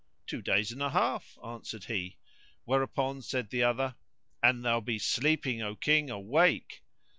"Two days and a half," answered he, whereupon said the other, "An thou be sleeping, O King, awake!